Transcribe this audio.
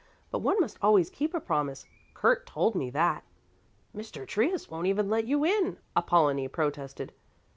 "But one must always keep a promise; Kurt told me that." "Mr. Trius won't even let you in," Apollonie protested.